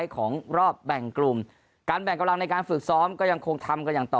ของรอบแบ่งกลุ่มการแบ่งกำลังในการฝึกซ้อมก็ยังคงทำกันอย่างต่อ